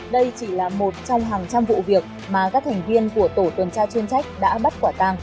đây chỉ là một trong hàng trăm vụ việc mà các thành viên của tổ tuần tra chuyên trách đã bắt quả tàng